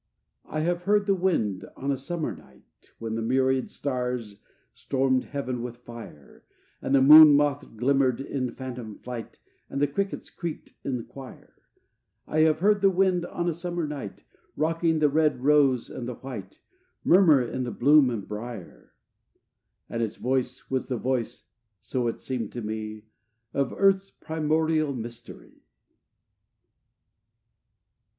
IV I have heard the wind on a summer night, When the myriad stars stormed heaven with fire, And the moon moth glimmered in phantom flight, And the crickets creaked in choir: I have heard the wind on a summer night, Rocking the red rose and the white, Murmur in bloom and brier: And its voice was the voice, so it seemed to me, Of Earth's primordial mystery.